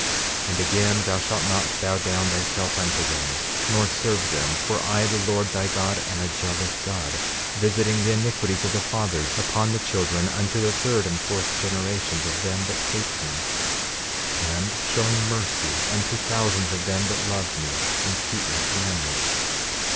13:13 And again: Thou shalt not bow down thyself unto them, nor serve them; for I the Lord thy God am a jealous God, visiting the iniquities of the fathers upon the children, unto the third and fourth generations of them that hate me; 13:14 And showing mercy unto thousands of them that love me and keep my commandments.